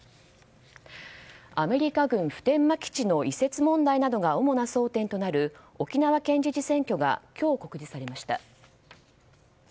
アメリカ軍普天間基地の移設問題などが主な争点となる沖縄県知事選挙が今日、告示されました。